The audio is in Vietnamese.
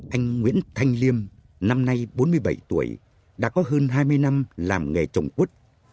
anh nguyễn thanh liêm năm nay bốn mươi bảy tuổi đã có hơn hai mươi năm làm nghề trồng quất